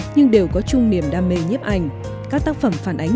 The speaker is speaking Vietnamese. nhưng đều có chung niềm đam mê nhiếp ảnh các tác phẩm phản ánh